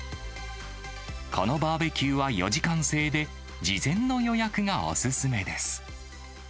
このバーベキューは４時間制で事前の予約がお勧めです。